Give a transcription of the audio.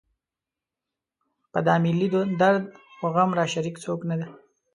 په دا ملي درد و غم راشریک څوک نه ده.